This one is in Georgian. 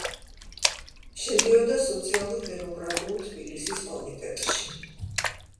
შედიოდა სოციალურ-დემოკრატიულ თბილისის კომიტეტში.